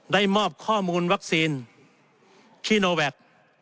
ได้มอบข้อมูลวัคซีนคีโนแวค